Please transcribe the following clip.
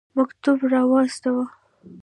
مکتوب را واستاوه.